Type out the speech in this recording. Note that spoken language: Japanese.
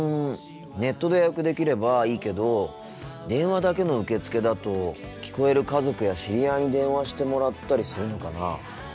ネットで予約できればいいけど電話だけの受け付けだと聞こえる家族や知り合いに電話してもらったりするのかな？